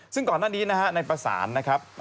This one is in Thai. ซึ่งก่อนหน้านี้ในประสาน